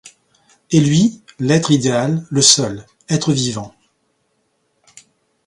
Et lui, l'être idéal, le seul. être vivant